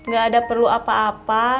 gak ada perlu apa apa